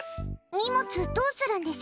荷物、どうするんです？